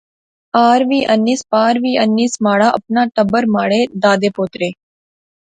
آر وی آنس، پار وی آنس، مہاڑا اپنا ٹبر، مہاڑے دادے پوترے